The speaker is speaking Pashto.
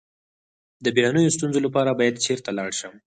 د بیړنیو ستونزو لپاره باید چیرته لاړ شم؟